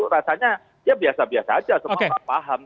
rasanya ya biasa biasa saja semua orang paham